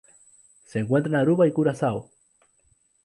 Se encuentra en Aruba y Curazao.